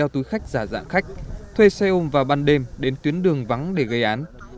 túi khách giả dạng khách thuê xe ôm vào ban đêm đến tuyến đường vắng để gây án